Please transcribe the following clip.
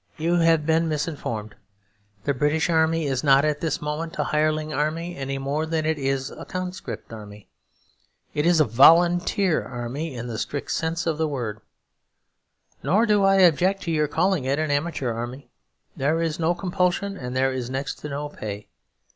You have been misinformed. The British Army is not at this moment a hireling army any more than it is a conscript army. It is a volunteer army in the strict sense of the word; nor do I object to your calling it an amateur army. There is no compulsion, and there is next to no pay.